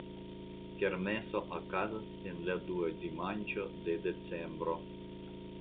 Kermeso okazas en la dua dimanĉo de decembro.